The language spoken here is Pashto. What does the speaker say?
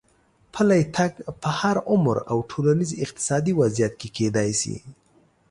پلی تګ په هر عمر او ټولنیز اقتصادي وضعیت کې کېدای شي.